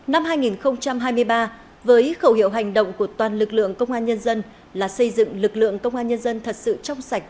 năm hai nghìn hai mươi ba với khẩu hiệu hành động của toàn lực lượng công an nhân dân là xây dựng lực lượng công an nhân dân thật sự trong sạch